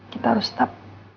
kita harus tetap